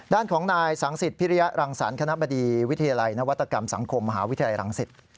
ด้านของนายสังสิทธิพิริยรังสรรคณะบดีวิทยาลัยนวัตกรรมสังคมมหาวิทยาลัยรังสิต